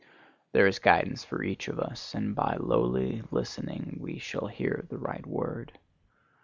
There is guidance for each of us, and by lowly listening we shall hear the right word.